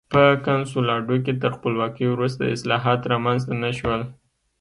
په کنسولاډو کې تر خپلواکۍ وروسته اصلاحات رامنځته نه شول.